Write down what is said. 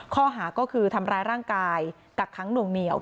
ข้อหาก็คือทำร้ายร่างกายกักขังหน่วงเหนียว